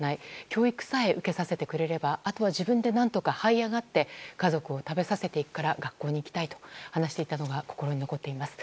教育さえ受けさせてくれればあとは自分で何とかはい上がって家族を食べさせていくから学校に行きたいと話していたのが心に残っています。